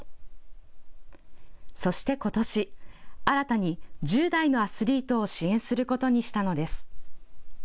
そして、ことし新たに１０代のアスリートを支援することにしたのです。